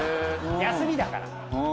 休みだから。